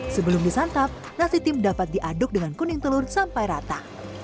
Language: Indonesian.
sebelum disantap nasi tim dapat diaduk dengan kuning telur sampai rata